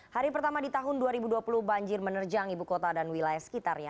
hari pertama di tahun dua ribu dua puluh banjir menerjang ibu kota dan wilayah sekitarnya